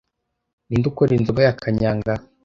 Ninde ukora inzoga ya kanyanga